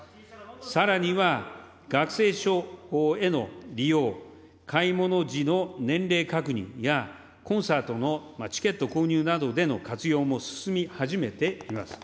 さらには、学生証への利用、買い物時の年齢確認やコンサートのチケット購入などでの活用も進み始めています。